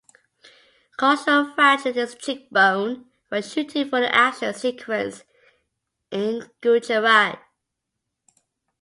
Kaushal fractured his cheekbone while shooting for an action sequence in Gujarat.